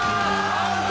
アウト！